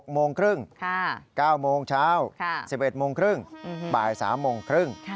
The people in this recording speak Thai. โมงครึ่ง๙โมงเช้า๑๑โมงครึ่งบ่าย๓โมงครึ่ง